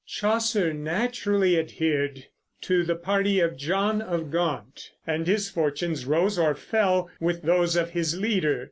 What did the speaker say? Chaucer naturally adhered to the party of John of Gaunt, and his fortunes rose or fell with those of his leader.